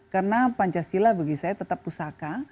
karena pancasila bagi saya tetap pusaka